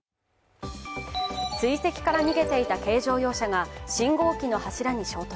追跡から逃げていた軽乗用車が信号機の柱に衝突。